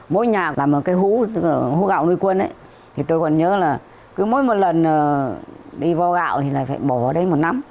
mỗi nhà làm một cái hũ gạo nuôi quân tôi còn nhớ là mỗi lần đi vo gạo thì phải bỏ vào đấy một năm